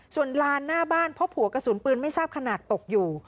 ส่วนลานหน้าบ้านพบหัวกระสุนปืนไม่ทราบขนาดตกอยู่